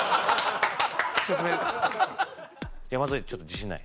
山添ちょっと自信ない？